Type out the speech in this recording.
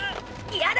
嫌だ！